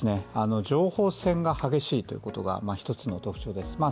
情報戦が激しいということが１つの特徴です。